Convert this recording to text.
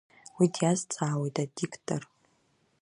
Уи диазҵаауееит адиктор…